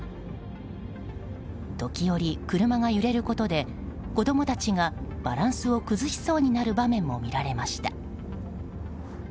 時折、車が揺れることで子供たちがバランスを崩しそうになる場面も見られました。